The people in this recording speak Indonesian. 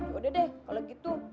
yaudah deh kalo gitu